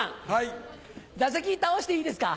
座席倒していいですか？